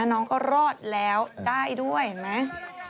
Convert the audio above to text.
น้องก็รอดแล้วได้ด้วยเห็นไหม